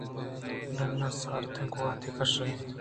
ڈنّ ءَ سارتیں گوٛاتے کّشگ ءَ اَت